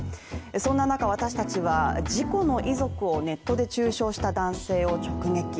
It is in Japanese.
そんな中、私たちは事故の遺族をネットで中傷した男性を直撃。